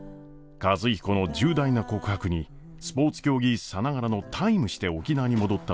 和彦の重大な告白にスポーツ競技さながらのタイムして沖縄に戻った暢子ですが。